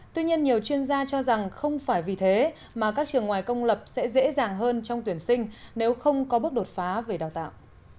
tuy nhiên nhiều chuyên gia cho rằng không phải vì thế mà các trường ngoài công lập sẽ dễ dàng hơn trong tuyển sinh nếu không có bước đột phá về đào tạo